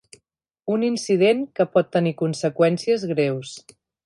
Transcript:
Un incident que pot tenir conseqüències greus.